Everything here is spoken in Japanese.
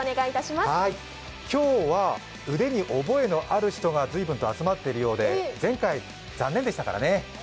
今日は腕に覚えのある人が随分と集まってきてるようで前回、残念でしたからね。